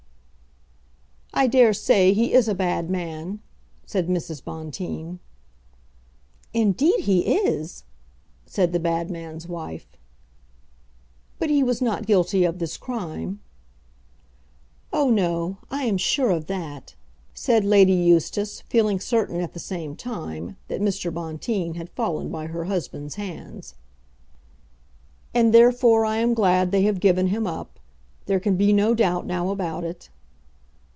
"I daresay he is a bad man," said Mrs. Bonteen. "Indeed he is," said the bad man's wife. "But he was not guilty of this crime." "Oh, no; I am sure of that," said Lady Eustace, feeling certain at the same time that Mr. Bonteen had fallen by her husband's hands. "And therefore I am glad they have given him up. There can be no doubt now about it."